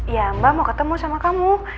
ya mbak mau ketemu sama kamu